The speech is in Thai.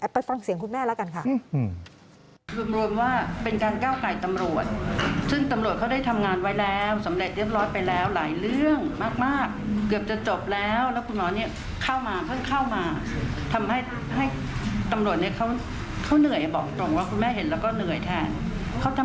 ไปฟังเสียงคุณแม่แล้วกันค่ะ